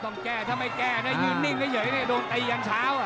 นิ่งก็เย๋ยโดนตีอย่างเช้า